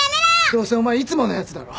どうせお前いつものやつだろ？